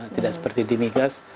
tidak seperti di migas